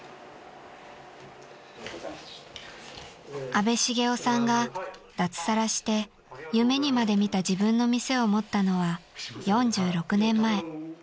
［阿部成夫さんが脱サラして夢にまで見た自分の店を持ったのは４６年前］